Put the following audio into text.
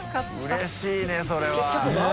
うれしいねそれは。ねぇ！